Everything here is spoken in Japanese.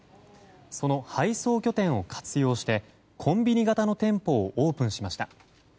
その配送拠点を活用してコンビニ型の店舗をオープンしました。